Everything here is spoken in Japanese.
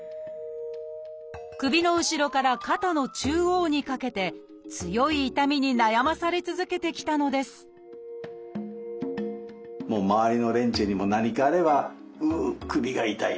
首の後ろから肩の中央にかけて強い痛みに悩まされ続けてきたのです周りの連中にも何かあれば「うう首が痛い。